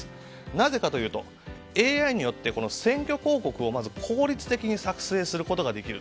なぜかというとＡＩによって選挙広告をまず効率的に作成することができる。